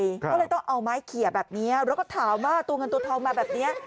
ก็เลยต้องเอาไม้เขียแบบนี้แล้วก็ถามว่าตัวเงินตัวทองมาแบบนี้